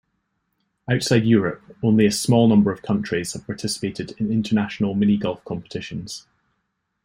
Outside Europe only a small number of countries have participated in international minigolf competitions.